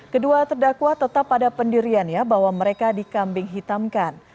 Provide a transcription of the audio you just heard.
kedua terdakwa tetap pada pendiriannya bahwa mereka dikambing hitamkan